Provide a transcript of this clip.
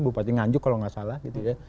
bupati nganjuk kalau nggak salah gitu ya